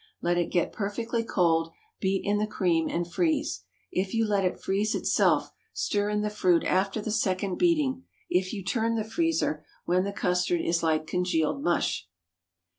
Let it get perfectly cold, beat in the cream and freeze. If you let it freeze itself, stir in the fruit after the second beating; if you turn the freezer, when the custard is like congealed mush.